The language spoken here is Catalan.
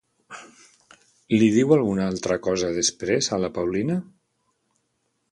Li diu alguna altra cosa després, a la Paulina?